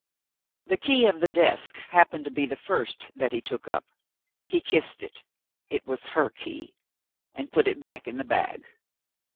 The key of the desk happened to be the first that he took up. He kissed it it was her key and put it back in the bag.